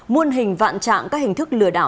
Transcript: muôn hình vạn trạng các hình thức lừa đảo